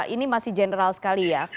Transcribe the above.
ini masih general sekali ya